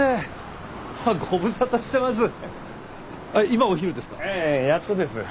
今お昼ですか？